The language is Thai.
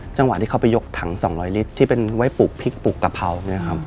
จังหวะที่เขาไปยกถัง๒๐๐ลิตรที่เป็นไว้ปลูกพริกปลูกกะเพราเนี่ยครับ